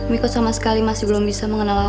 miko sama sekali masih belum bisa mengenal aku pah